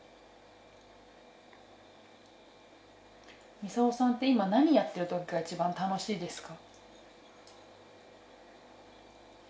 ミサオさんって今何やってる時が一番楽しいですか？